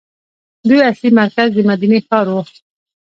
دوی اصلي مرکز د مدینې ښار وو.